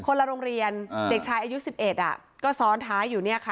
ละโรงเรียนเด็กชายอายุ๑๑ก็ซ้อนท้ายอยู่เนี่ยค่ะ